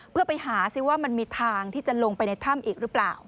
เพื่อไปหาซิว่ามันมีทางที่จะลงไปในถ้ำอีกหรือเปล่า